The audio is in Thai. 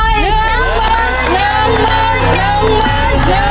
น้ำมะ